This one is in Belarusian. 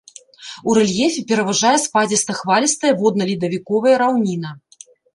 У рэльефе пераважае спадзіста-хвалістая водна-ледавіковая раўніна.